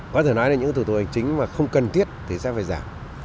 có thể nói là những thủ tục hành chính mà không cần thiết thì sẽ phải giảm